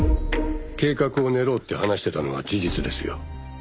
計画を練ろうって話してたのは事実ですよ。